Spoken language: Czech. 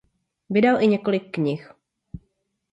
Vydal i několik knih.